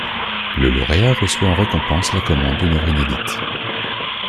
Le lauréat reçoit en récompense la commande d'une œuvre inédite.